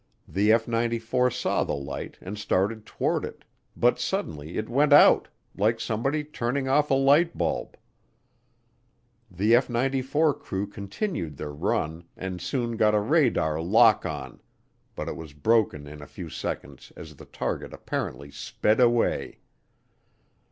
The F 94 saw the light and started toward it, but suddenly it went out, "like somebody turning off a light bulb." The F 94 crew continued their run and soon got a radar lock on, but it was broken in a few seconds as the target apparently sped away.